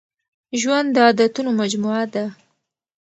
ژوند د عادتونو مجموعه ده.